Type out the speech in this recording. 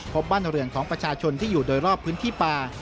พบบ้านเรือนของประชาชนที่อยู่โดยรอบพื้นที่ป่า